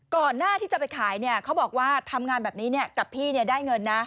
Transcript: ก่อนหน้าที่จะไปขายเขาบอกว่าทำงานแบบนี้กับพี่ได้เงินนะ